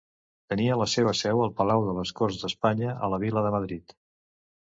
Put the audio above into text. Tenia la seva seu al Palau de les Corts d'Espanya a la vila de Madrid.